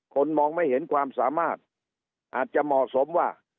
คนมองไม่เห็นความสามารถอาจจะเหมาะสมว่า